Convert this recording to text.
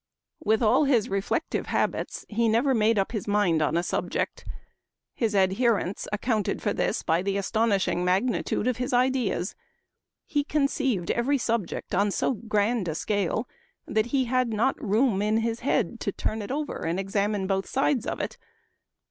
" With all his reflective habits he never made up his mind on a subject. His adherents ac counted for this by the astonishing magnitude of his ideas. He conceived every subject on so grand a scale that he had not room in his head to turn it over and examine both sides of it.